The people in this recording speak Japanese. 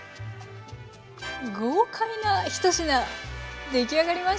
豪快な１品出来上がりました。